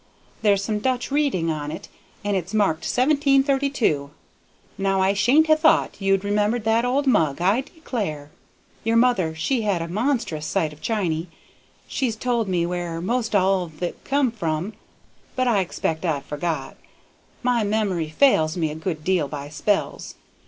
There's some Dutch reading on it and it's marked 1732. Now I shouldn't ha' thought you'd remembered that old mug, I declare. Your aunt she had a monstrous sight of chiny. She's told me where 'most all of it come from, but I expect I've forgot. My memory fails me a good deal by spells.